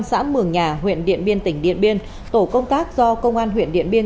xã mường nhà huyện điện biên tỉnh điện biên tổ công tác do công an huyện điện biên